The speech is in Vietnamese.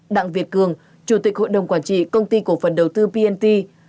đặng việt cường chủ tịch hội đồng quản trị công ty cổ phần đầu tư pnt